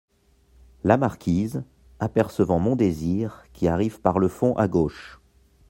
La Marquise , apercevant Montdésir, qui arrive par le fond à gauche.